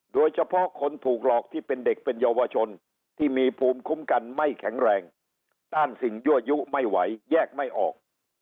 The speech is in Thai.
โดยเฉพาะคนถูกหลอกที่เป็นเด็กเป็นเยาวชนที่มีภูมิคุ้มกันไม่แข็งแรงต้านสิ่งยั่วยุไม่ไหวแยกไม่ออก